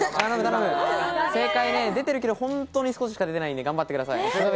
正解出てるけど本当に少ししか出てないんで、頑張ってください。